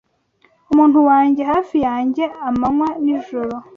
UMUNTU WANJYE hafi yanjye amanywa n'ijoro